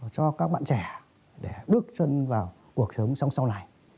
cho các bạn